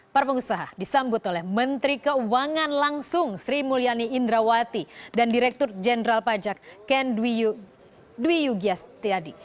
para pengusaha disambut oleh menteri keuangan langsung sri mulyani indrawati dan direktur jenderal pajak ken dwi yugias tiadi